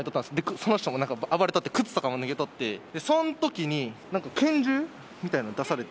その人もなんか暴れとって、靴とかも脱げとって、そんときに、なんか拳銃みたいの出されて。